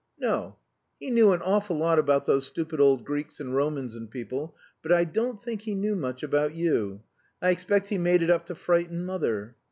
"No. He knew an awful lot about those stupid old Greeks and Romans and people, but I don't think he knew much about you. I expect he made it up to frighten mother.